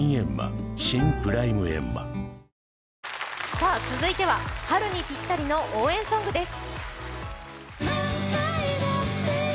さあ続いては、春にぴったりの応援ソングです。